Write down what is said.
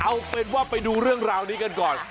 เอาเป็นว่าไปดูเรื่องราวนี้กันก่อน